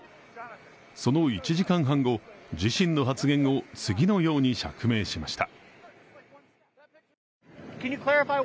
その１時間半後、自身の発言を次のように釈明しました。